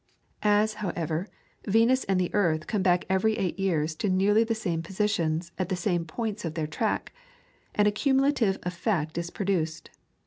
As, however, Venus and the earth come back every eight years to nearly the same positions at the same points of their track, an accumulative effect is produced.